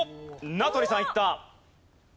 名取さんいった。